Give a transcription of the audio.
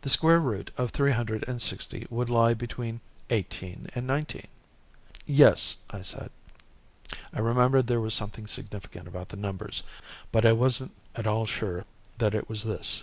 The square root of three hundred and sixty would lie between eighteen and nineteen." "Yes," I said. I remembered there was something significant about the numbers, but I wasn't at all sure that it was this.